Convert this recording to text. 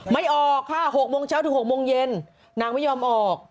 ไม่ออกค่ะ๖โมงเช้าถึง๖โมงเย็นนางไม่ยอมออก